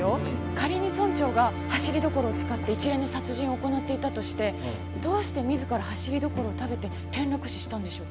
仮に村長がハシリドコロを使って一連の殺人を行っていたとしてどうして自らハシリドコロを食べて転落死したんでしょう？